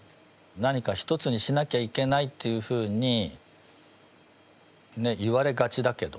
何か１つにしなきゃいけないっていうふうにねっ言われがちだけど。